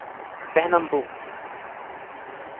Pernambuco